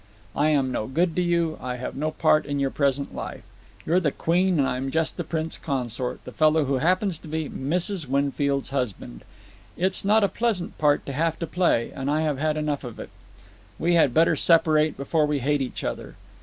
"I am no good to you. I have no part in your present life. You're the queen and I'm just the prince consort, the fellow who happens to be Mrs. Winfield's husband. It's not a pleasant part to have to play, and I have had enough of it. We had better separate before we hate each other.